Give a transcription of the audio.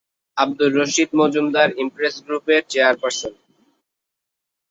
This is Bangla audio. আবদুর রশিদ মজুমদার ইমপ্রেস গ্রুপের চেয়ারপারসন।